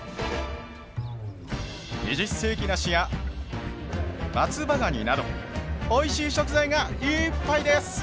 二十世紀梨や松葉がになどおいしい食材がいっぱいです！